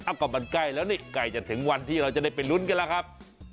ก็มันใกล้แล้วนี่ใกล้จะถึงวันที่เราจะได้ไปลุ้นกันแล้วครับ